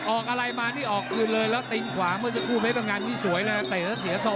ออกอะไรมานี่ออกคืนเลยแล้วติงขวาเมื่อจะคู่ไปเป็นงานที่สวยแล้วเตะแล้วเสียสม